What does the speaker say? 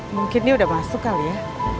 mungkin dia udah masuk kali ya